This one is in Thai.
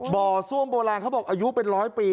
ซ่วมโบราณเขาบอกอายุเป็นร้อยปี